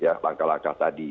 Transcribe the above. ya langkah langkah tadi